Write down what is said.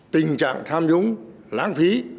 tình trạng tham nhũng láng phí